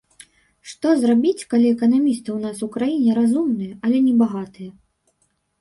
Што зробіць, калі эканамісты ў нас у краіне разумныя, але не багатыя.